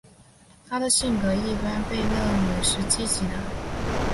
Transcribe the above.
她的性格一般被认为是积极的。